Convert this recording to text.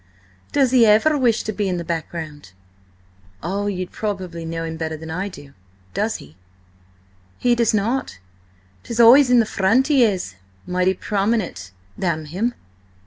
"Does he ever wish to be in the background?" "You probably know him better than I do. Does he?" "He does not. 'Tis always in front he is, mighty prominent. Damn him!"